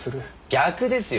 逆ですよ！